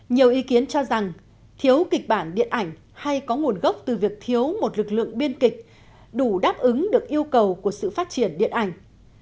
nhiều ý kiến cho rằng thiếu kịch bản điện ảnh hay có nguồn gốc từ việc thiếu một lực lượng biên kịch đủ đáp ứng được yêu cầu của sự phát triển điện ảnh